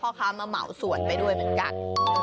เขาเขามาวสวนเลยด้วยเหมือนกัน